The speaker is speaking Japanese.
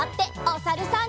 おさるさん。